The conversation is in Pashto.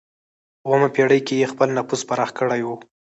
په اوومه پېړۍ کې یې خپل نفوذ پراخ کړی و.